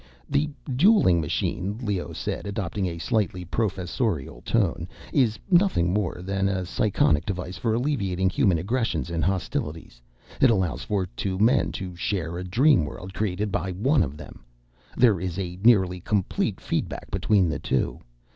"The dueling machine," Leoh said, adopting a slightly professorial tone, "is nothing more than a psychonic device for alleviating human aggressions and hostilities. It allows two men to share a dream world created by one of them. There is nearly complete feedback between the two.